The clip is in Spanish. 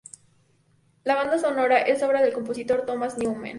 La banda sonora es obra del compositor Thomas Newman.